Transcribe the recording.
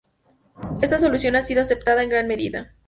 Esta solución ha sido aceptada en gran medida.